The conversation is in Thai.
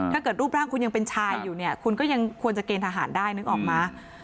รูปร่างคุณยังเป็นชายอยู่เนี่ยคุณก็ยังควรจะเกณฑหารได้นึกออกมา